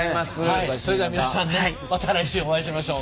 それでは皆さんまた来週お会いしましょう。